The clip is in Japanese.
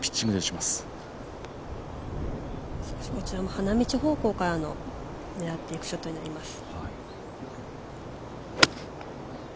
花道方向から狙っていくショットになります。